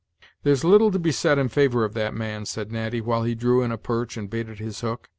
"There's little to be said in favor of that man," said Natty, while he drew in a perch and baited his hook.